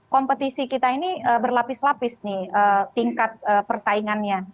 kompetisi kita ini berlapis lapis nih tingkat persaingannya